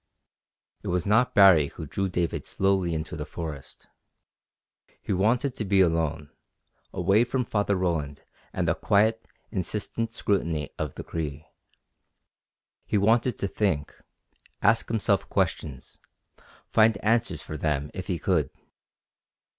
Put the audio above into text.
It was not Baree who drew David slowly into the forest. He wanted to be alone, away from Father Roland and the quiet, insistent scrutiny of the Cree. He wanted to think, ask himself questions, find answers for them if he could.